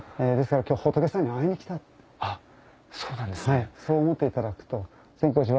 はいそう思っていただくと。